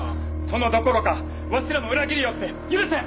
殿どころかわしらも裏切りおって許せん。